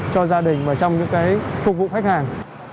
cho gia đình và trong những cái phục vụ khách hàng